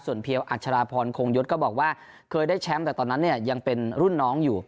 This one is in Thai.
เพียวอัชราพรโคงยศก็บอกว่าเคยได้แชมป์แต่ตอนนั้นเนี่ยยังเป็นรุ่นน้องอยู่